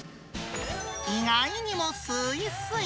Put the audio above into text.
意外にもすいすい。